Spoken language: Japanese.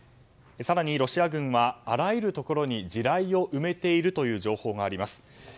更にロシア軍はあらゆるところに地雷を埋めているという情報があります。